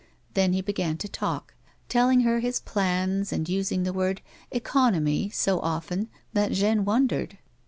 Then he began to talk, tolling her bis plans, and using the word " economy" so often that Jeanne won dered.